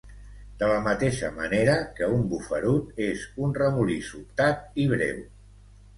De la mateixa manera que un bufarut és un remolí sobtat i breu